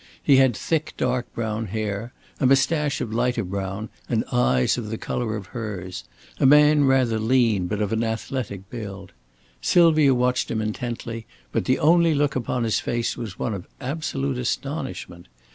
He had thick, dark brown hair, a mustache of a lighter brown and eyes of the color of hers a man rather lean but of an athletic build. Sylvia watched him intently, but the only look upon his face was one of absolute astonishment.